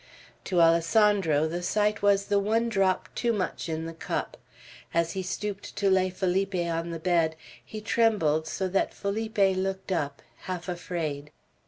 To Alessandro the sight was the one drop too much in the cup. As he stooped to lay Felipe on the bed, he trembled so that Felipe looked up, half afraid.